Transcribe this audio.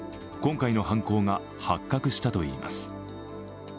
今回の犯行が発覚したといいます。